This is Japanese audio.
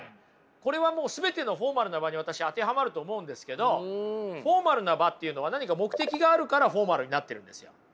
これはもう全てのフォーマルな場に私当てはまると思うんですけどフォーマルな場っていうのは何か目的があるからフォーマルになってるんですよ。